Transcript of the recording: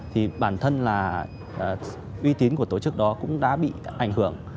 thì bản thân là uy tín của tổ chức đó cũng đã bị ảnh hưởng